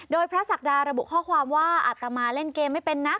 โดยพระศักดาระบุข้อความว่าอัตมาเล่นเกมไม่เป็นนะ